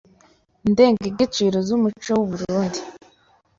ndengegeciro z’umuco w’u Burunndi